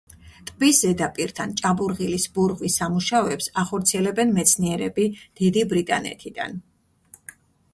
ტბის ზედაპირთან ჭაბურღილის ბურღვის სამუშაოებს ახორციელებენ მეცნიერები დიდი ბრიტანეთიდან.